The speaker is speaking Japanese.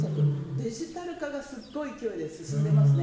デジタル化がすっごい勢いで進んでますね。